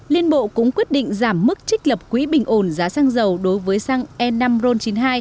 liên bộ cũng quyết định giảm mức trích lập quỹ bình ổn giá xăng dầu đối với xăng e năm ron chín mươi hai